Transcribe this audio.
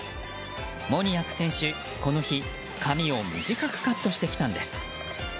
モニアク選手、この日髪を短くカットしてきたんです。